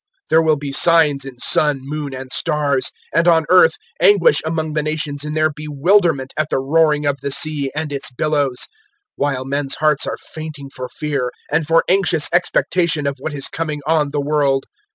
021:025 "There will be signs in sun, moon, and stars; and on earth anguish among the nations in their bewilderment at the roaring of the sea and its billows; 021:026 while men's hearts are fainting for fear, and for anxious expectation of what is coming on the world.